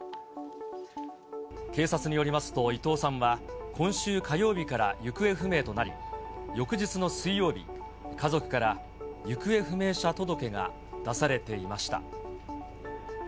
警察によりますと伊藤さんは、今週火曜日から行方不明となり、翌日の水曜日、家族から行方不明者届が出されていました。